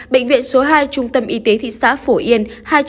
bệnh viện số hai trung tâm y tế thị xã phổ yên